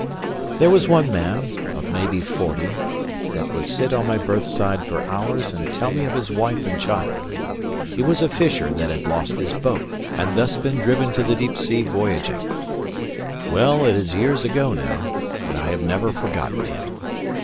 There was one man, of maybe forty, that would sit on my berthside for hours and tell me of his wife and child. He was a fisher that had lost his boat, and thus been driven to the deep sea voyaging. Well, it is years ago now: but I have never forgotten him.